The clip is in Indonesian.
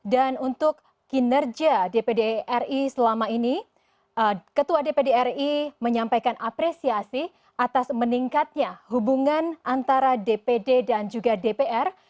dan untuk kinerja dpd ri selama ini ketua dpd ri menyampaikan apresiasi atas meningkatnya hubungan antara dpd dan juga dpr